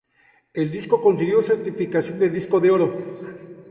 El disco consiguió certificación de disco de oro.